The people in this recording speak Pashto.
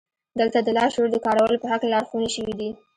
دلته د لاشعور د کارولو په هکله لارښوونې شوې دي